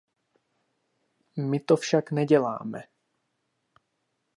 My to však neděláme.